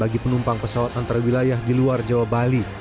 dipenumpang pesawat antarwilayah di luar jawa bali